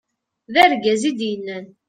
d argaz i d-yennan